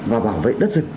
và bảo vệ đất dựng